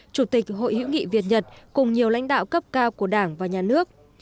chủ tịch hội hữu nghị việt nhật cùng nhiều lãnh đạo cấp cao của đảng và nhà nước